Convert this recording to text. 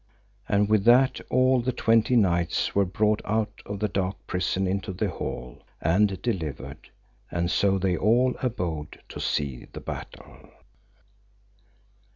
And with that all the twenty knights were brought out of the dark prison into the hall, and delivered, and so they all abode to see the battle.